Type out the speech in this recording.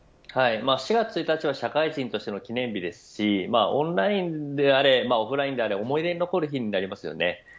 ４月１日は社会人としての記念日ですしオンラインであれオフラインであれ思い出に残る日になりますよね。